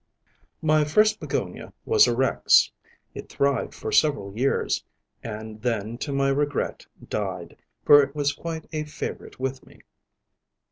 My first Begonia was a Rex. It thrived for several years, and then to my regret died, for it was quite a favorite with me.